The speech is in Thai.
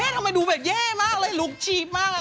ผู้แม่ทำไมดูแบบเย่มากเลยลูกชีพมากลงแม่